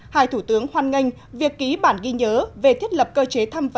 hai thủ tướng hoan nghênh việc ký bản ghi nhớ về thiết lập cơ chế tham vấn